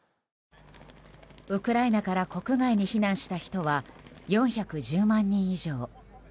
ウクライナから国外に避難した人は４１０万人以上。